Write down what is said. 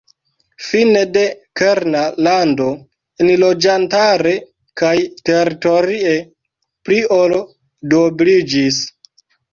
Fine la kerna lando enloĝantare kaj teritorie pli ol duobliĝis.